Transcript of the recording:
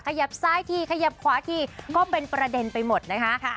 ขยับซ้ายทีขยับขวาทีก็เป็นประเด็นไปหมดนะคะ